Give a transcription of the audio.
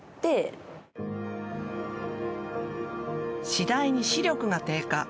次第に視力が低下。